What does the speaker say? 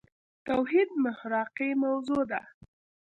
توحيد محراقي موضوع ده.